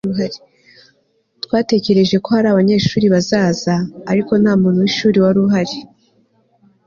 twatekereje ko hari abanyeshuri bazaza, ariko nta muntu w'ishuri wari uhari